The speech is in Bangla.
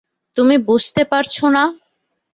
তুমি বুঝতে পারছো না?